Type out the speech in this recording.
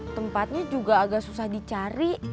tempatnya juga agak susah dicari